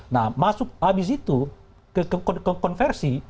nah masuk habis itu ke konversi